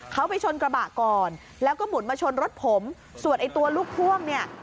เขาไปชนกระบะก่อนแล้วก็หมุนมาชนรถผมส่วนไอ้ตัวลูกพ่วงเนี่ย